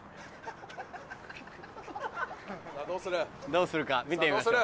どうするか見てみましょう。